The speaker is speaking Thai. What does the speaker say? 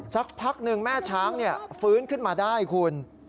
สักพักหนึ่งแม่ช้างฟื้นขึ้นมาได้คุณ